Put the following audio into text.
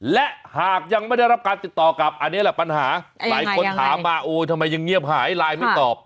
และหากยังไม่ได้รับการติดต่อกลับอันนี้แหละปัญหาหลายคนถามมาโอ้ทำไมยังเงียบหายไลน์ไม่ตอบ